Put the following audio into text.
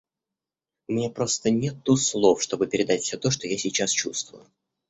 У меня просто нету слов, чтобы передать все то, что я сейчас чувствую.